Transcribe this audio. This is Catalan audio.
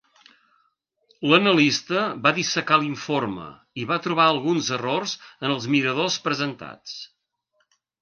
L'analista va dissecar l'informe i va trobar alguns errors en els miradors presentats.